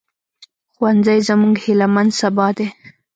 ښوونځی زموږ هيلهمن سبا دی